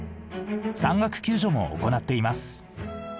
山岳救助も行っています。